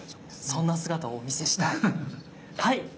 そんな姿をお見せしたいはい！